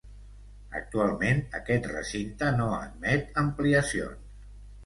Actualment aquest recinte no admet ampliacions.